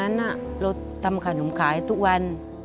นั้นเราทำขนมขายทุกวัน